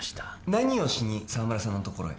何をしに沢村さんのところへ？